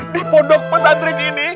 di pondok pesantri ini